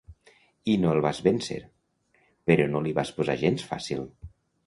I no el vas vèncer, però no li vas posar gens fàcil.